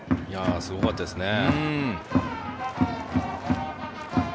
すごかったですね。